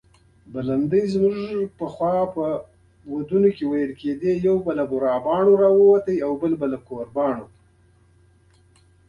پلار یې عبدالله د بلخ له نومیالیو څخه و.